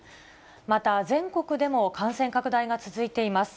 また、全国でも感染拡大が続いています。